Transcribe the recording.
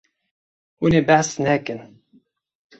Hûn ê behs nekin.